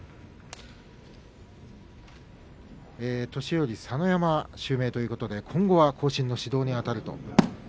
年寄佐ノ山襲名ということで、今後は後進の指導にあたると。